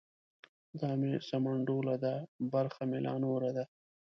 دا مې سمنډوله ده برخه مې لا نوره ده.